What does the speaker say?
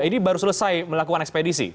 ini baru selesai melakukan ekspedisi